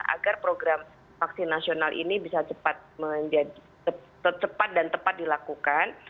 agar program vaksin nasional ini bisa cepat dan tepat dilakukan